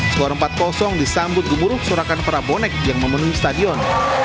skor empat disambut gemuruh sorakan para bonek yang memenuhi stadion